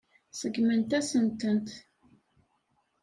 Seggment-asent-tent.